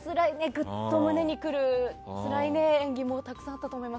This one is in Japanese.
ぐっと胸に来るつらい演技もたくさんあったと思います。